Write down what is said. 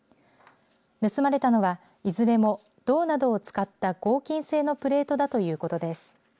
盗まれたのはいずれも銅などを使った合金製のプレートだということです。